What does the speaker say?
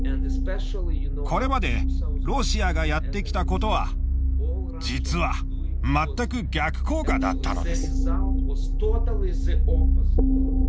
これまでロシアがやってきたことは実は全く逆効果だったのです。